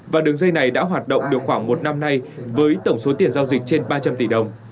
và đường dây này đã hoạt động được khoảng một năm nay với tổng số tiền giao dịch trên ba trăm linh tỷ đồng